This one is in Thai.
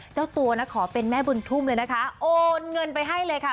เจ้าตัวนะขอเป็นแม่บุญทุ่มเลยนะคะโอนเงินไปให้เลยค่ะ